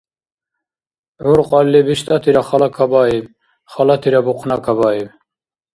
Гӏур кьалли биштӏатира халакабаиб, халатира бухънакабаиб.